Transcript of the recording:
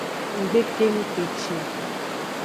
Ng gbe kenu kpeci o.